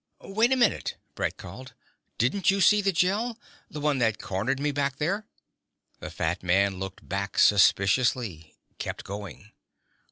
"Wait a minute," Brett called. "Didn't you see the Gel? the one that cornered me back there?" The fat man looked back suspiciously, kept going.